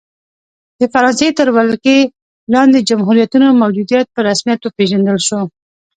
د فرانسې تر ولکې لاندې جمهوریتونو موجودیت په رسمیت وپېژندل شو.